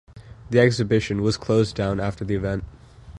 The exhibition was closed down after the event.